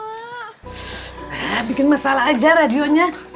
nah bikin masalah aja radionya